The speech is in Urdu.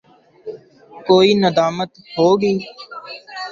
کوئی ندامت ہو گی؟